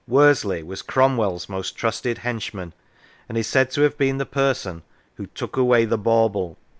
Worsley was Cromwell's most trusted henchman, and is said to have been the person who " took away the bauble."